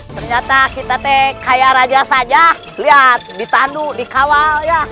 ternyata kita kayak raja saja lihat ditandu dikawal ya